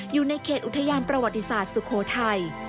อยู่ในเขตอุทยานประวัติศาสตร์สุโขทัย